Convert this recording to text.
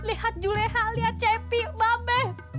lihat julehal lihat cepi mbak mbak